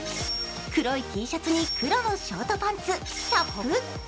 黒いＴシャツに黒のショートパンツ、キャップ。